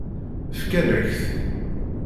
Fkan-ak-t.